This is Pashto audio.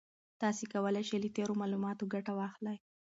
تاسي کولای شئ له تېرو معلوماتو ګټه واخلئ.